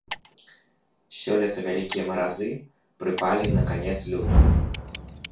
Сёлета вялікія маразы прыпалі на канец лютага.